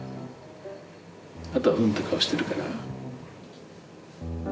あとはフンッて顔してるから。